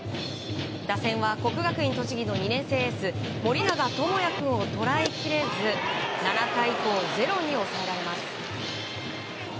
打線は国学院栃木の２年生エース盛永智也君を捉えきれず７回以降、０に抑えられます。